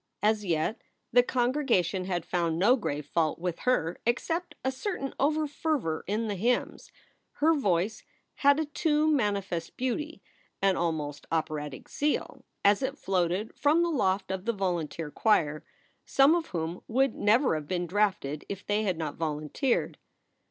As yet the congregation had found no grave fault with her except a certain overfervor in the hymns. Her voice had a too manifest beauty, an almost operatic zeal, as it floated from the loft of the volunteer choir some of whom would never have been drafted if they had not volunteered.